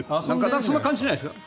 そんな感じしないですか？